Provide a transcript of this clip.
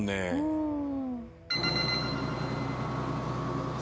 うん。